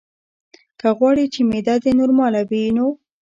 که غواړې چې معده دې نورماله وي نو: